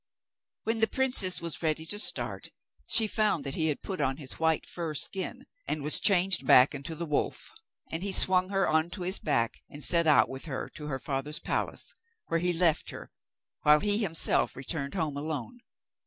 When the princess was ready to start, she found that he had put on his white fur skin, and was changed back into the wolf; and he swung her on to his back, and set out with her to her father's palace, where he left her, while he himself returned home alone.